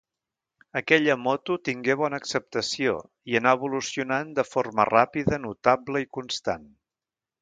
Aquella moto tingué bona acceptació i anà evolucionant de forma ràpida, notable i constant.